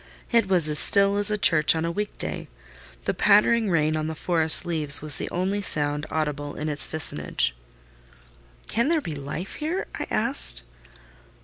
It was as still as a church on a week day: the pattering rain on the forest leaves was the only sound audible in its vicinage. "Can there be life here?" I asked.